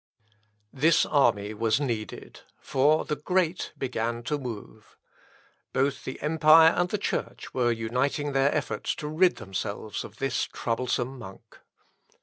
This army was needed; for the great began to move. Both the empire and the Church were uniting their efforts to rid themselves of this troublesome monk.